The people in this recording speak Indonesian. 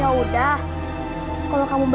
aku akan mengerti rambutmu